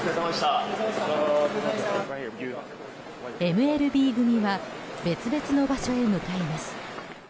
ＭＬＢ組は別々の場所へ向かいます。